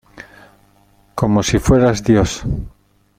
como si fueras Dios.